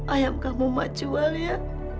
ayam kamu mak jual ya